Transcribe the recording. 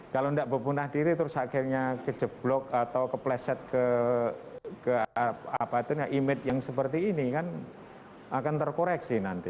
kalau enggak bebenah diri terus akhirnya kejeblok atau kepleset ke apa itu ya image yang seperti ini kan akan terkoreksi nanti